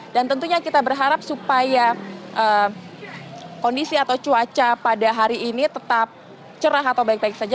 dan tentunya kita berharap supaya kondisi atau cuaca pada hari ini tetap cerah atau baik baik saja